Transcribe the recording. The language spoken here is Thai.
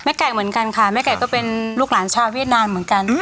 ไก่เหมือนกันค่ะแม่ไก่ก็เป็นลูกหลานชาวเวียดนามเหมือนกัน